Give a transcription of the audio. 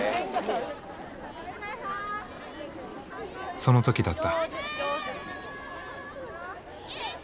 その時だった。